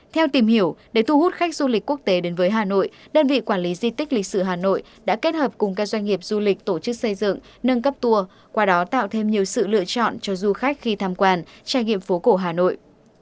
theo tìm hiểu để thu hút khách du lịch quốc tế đến với hà nội đơn vị quản lý di tích lịch sử hà nội đã kết hợp cùng các doanh nghiệp du lịch tổ chức xây dựng nâng cấp tour qua đó tạo thêm nhiều sự lựa chọn cho du khách khi tham quan trải nghiệm phố cổ hà nội